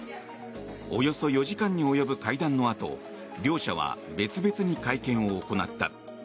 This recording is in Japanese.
およそ４時間に及ぶ会談のあと両者は別々に会見を行った。